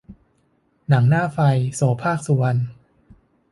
หนังหน้าไฟ- โสภาค สุวรรณ